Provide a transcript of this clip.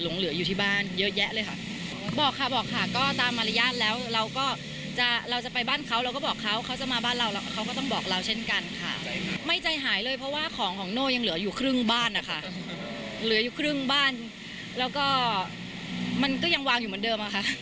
มันก็ยังวางอยู่เหมือนเดิมค่ะ